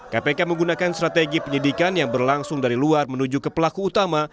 kpk menggunakan strategi penyidikan yang berlangsung dari luar menuju ke pelaku utama